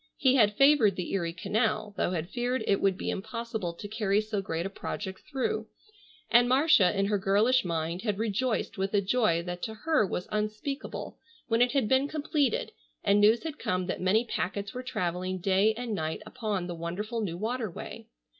He had favored the Erie canal, though had feared it would be impossible to carry so great a project through, and Marcia in her girlish mind had rejoiced with a joy that to her was unspeakable when it had been completed and news had come that many packets were travelling day and night upon the wonderful new water way.